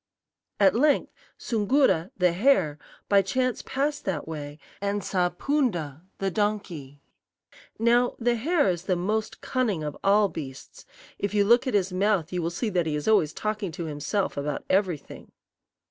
"At length Soongoo'ra, the hare, by chance passed that way, and saw Poon'da, the donkey. "Now, the hare is the most cunning of all beasts if you look at his mouth you will see that he is always talking to himself about everything.